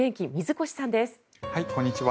こんにちは。